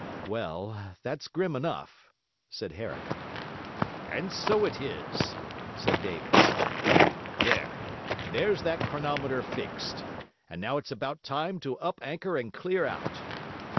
'Well, that's grim enough,' said Herrick. 'And so it is,' said Davis. 'There; there's that chronometer fixed. And now it's about time to up anchor and clear out.'